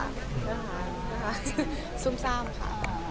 นะคะซุ่มซ่ามค่ะ